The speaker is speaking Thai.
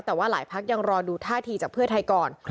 แต่ว่าหลายพักยังรอดูท่าทีจากเพื่อไทยก่อน